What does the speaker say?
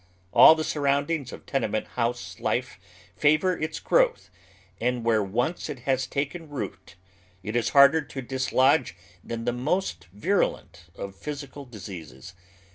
All the surroundings of tenement house life favor its growth, and where once it has taken root it is harder to dislodge than the most virnlent of physical diseases.